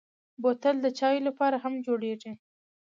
بوتل د چايو لپاره هم جوړېږي.